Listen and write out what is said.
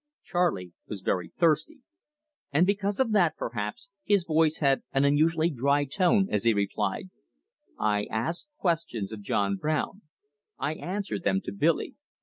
Charley was very thirsty, and because of that perhaps, his voice had an unusually dry tone as he replied: "I asked questions of John Brown; I answer them to Billy.